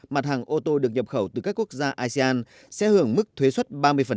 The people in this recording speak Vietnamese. mặt hàng ô tô được nhập khẩu từ các quốc gia asean sẽ hưởng mức thuế xuất ba mươi